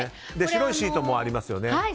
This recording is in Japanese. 白いシートもありますよね。